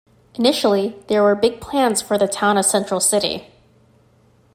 Initially, there were big plans for the town of Central City.